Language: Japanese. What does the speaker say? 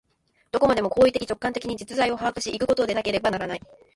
どこまでも行為的直観的に実在を把握し行くことでなければならない。